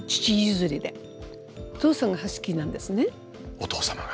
お父様が。